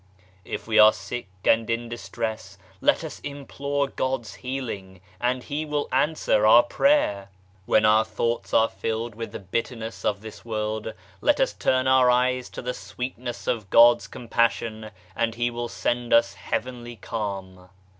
If we are sick and in distress let us implore God's healing, and He will answer our prayer. When our thoughts are filled with the bitterness of this world, let us turn our eyes to the sweetness of God's compassion and He will send us Heavenly calm